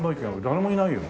誰もいないよ。